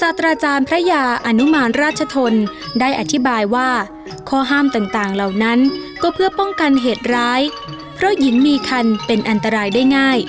ศาสตราจารย์พระยาอนุมานราชทนได้อธิบายว่าข้อห้ามต่างเหล่านั้นก็เพื่อป้องกันเหตุร้ายเพราะหญิงมีคันเป็นอันตรายได้ง่าย